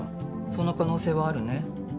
その可能性はあるね。